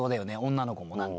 女の子もなんか。